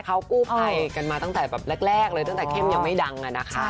เขากู้ไภกันมาตั้งแต่แรกเลยตั้งแต่เข้มยังไม่ดัง